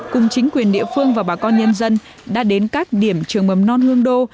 cùng chính quyền địa phương và bà con nhân dân đã đến các điểm trường mầm non hương đô